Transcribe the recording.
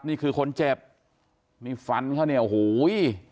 นี่คือคนเจ็บนี่ฟันเขาเนี่ยโอ้โห